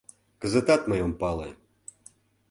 Кызытат мый ом пале